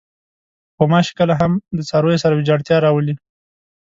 غوماشې کله هم د څارویو سره ویجاړتیا راولي.